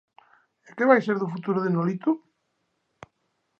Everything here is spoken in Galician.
E que vai ser do futuro de Nolito?